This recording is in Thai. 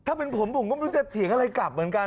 ถ้าเป็นผมผมก็ไม่รู้จะเถียงอะไรกลับเหมือนกัน